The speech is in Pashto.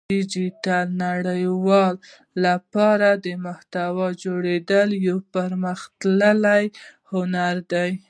د ډیجیټل نړۍ لپاره د محتوا جوړول یو پرمختللی هنر دی